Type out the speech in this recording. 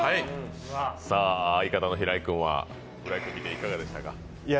相方の平井君は浦井君を見ていかがでした？